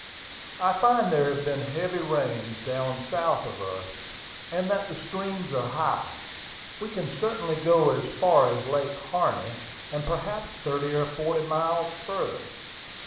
"I find there have been heavy rains down south of us, and that the streams are high. We can certainly go as far as Lake Harney, and perhaps thirty or forty miles farther.